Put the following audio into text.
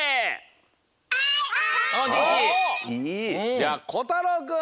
じゃあこたろうくん。